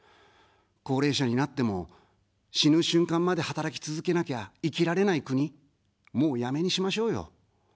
高齢者になっても、死ぬ瞬間まで働き続けなきゃ生きられない国、もうやめにしましょうよ。